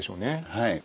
はい。